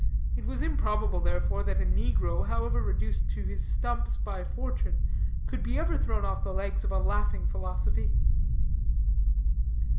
It was improbable, therefore, that a negro, however reduced to his stumps by fortune, could be ever thrown off the legs of a laughing philosophy.